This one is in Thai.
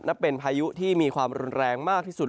เป็นพายุที่มีความรุนแรงมากที่สุด